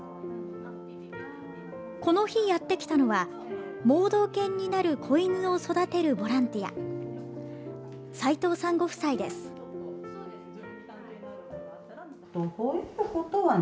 この日やってきたのは盲導犬になる子犬を育てるボランティア齋藤さんご夫妻です。